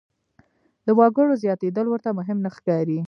د وګړو زیاتېدل ورته مهم نه ښکاري.